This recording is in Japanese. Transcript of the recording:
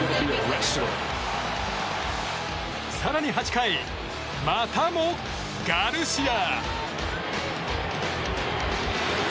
更に８回、またもガルシア。